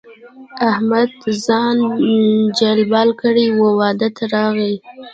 احمد ځان جلبل کړی وو؛ واده ته راغی.